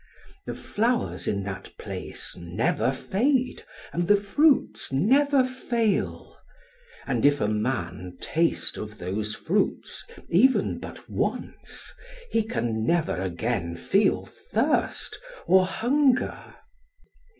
The flowers in that place never fade, and the fruits never fail; and if a man taste of those fruits even but once, he can never again feel thirst or hunger.